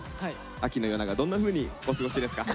秋の夜長どんなふうにお過ごしですか？